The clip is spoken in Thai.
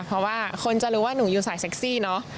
เพราะว่าคนจะรู้ว่าหนูอยู่สายเซ็กซี่เนอะ